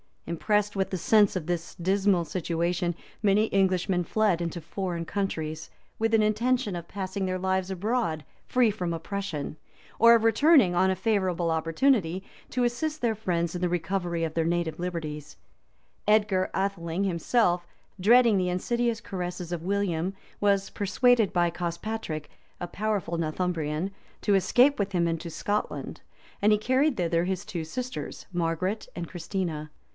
Impressed with the sense of this dismal situation, many Englishmen fled into foreign countries, with an intention of passing their lives abroad free from oppression, or of returning, on a favorable opportunity, to assist their friends in the recovery of their native liberties.[] Edgar [* Order. Vitalis, p. 511.] [ Order. Vitalis, p. 508. M. West. p. 225. M. Paris, p. 4. Sim Dunehn. p. 197.] Atheling himself, dreading the insidious caresses of William, was, persuaded by Cospatric, a powerful Northumbrian, to escape with him into Scotland; and he carried thither his two sisters, Margaret and Christina.